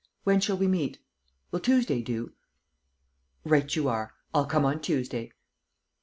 . When shall we meet? Will Tuesday do? Right you are. I'll come on Tuesday